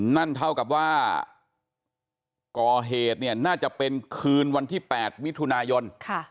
นั่นเท่ากับว่าก่อเหตุเนี่ยน่าจะเป็นคืนวันที่๘มิถุนายน